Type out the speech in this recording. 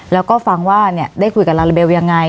แล้วก็ฟังว่าได้คุยกับลาลาเบลยังไง